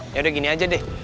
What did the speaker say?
yaudah gini aja deh